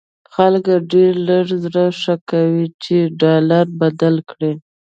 خلکو ډېر لږ زړه ښه کاوه چې ډالر بدل کړي.